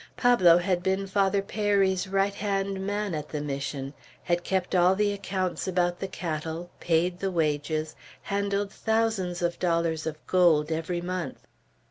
Pablo had been Father Peyri's right hand man at the Mission; had kept all the accounts about the cattle; paid the wages; handled thousands of dollars of gold every month.